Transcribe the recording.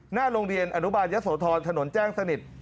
หน้าโรงเรียนอนุบาลยะโสธรถนนแจ้งสนิท